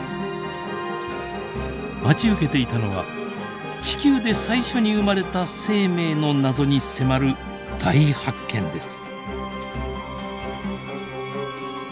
待ち受けていたのは地球で最初に生まれた生命の謎に迫る大発見です。